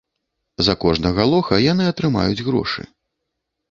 За кожнага лоха яны атрымаюць грошы.